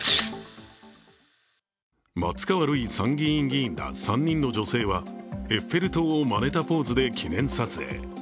松川るい参議院議員ら３人の女性はエッフェル塔をまねたポーズで記念撮影。